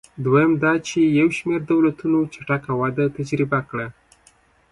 دویم دا چې یو شمېر دولتونو چټکه وده تجربه کړه.